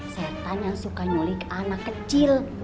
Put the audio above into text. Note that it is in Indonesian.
setan yang suka nyulik anak kecil